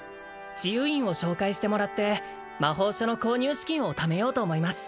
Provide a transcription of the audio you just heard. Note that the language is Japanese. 治癒院を紹介してもらって魔法書の購入資金をためようと思います